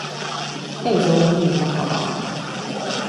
Ei se ole niin vakavaa.